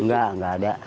nggak nggak ada